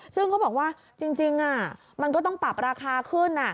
ซึ่งเขาบอกว่าจริงมันก็ต้องปรับราคาขึ้น